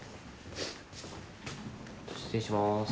失礼します。